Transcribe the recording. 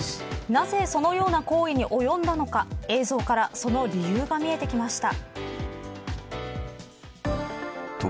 なぜ、そのような行為に及んだのか映像からその理由が見えてきました。